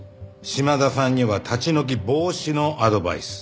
島田さんには立ち退き防止のアドバイス。